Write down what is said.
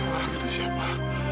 orang itu siapa